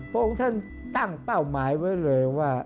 พระองค์ท่านตั้งเป้าหมายไว้เลยว่า